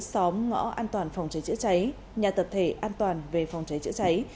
xóm ngõ an toàn phòng cháy chữa cháy nhà tập thể an toàn về phòng cháy chữa cháy